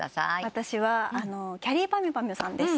私はきゃりーぱみゅぱみゅさんです。